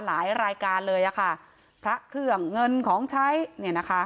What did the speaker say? หลายรายการเลยอ่ะค่ะพระเครื่องเงินของใช้เนี่ยนะคะ